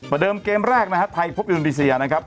ประเดิมเกมแรกนะครับไทยพบยุงรีเซียนะครับ